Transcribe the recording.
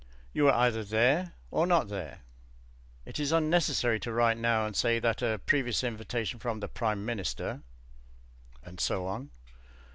You were either there or not there; it is unnecessary to write now and say that a previous invitation from the Prime Minister and so on.